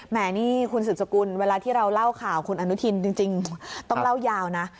นี่คุณสืบสกุลเวลาที่เราเล่าข่าวคุณอนุทินจริงต้องเล่ายาวนะ